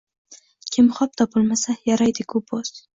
Kimxob topilmasa, yaraydi-ku bo’z.